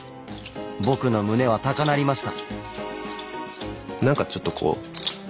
僕の胸は高鳴りました。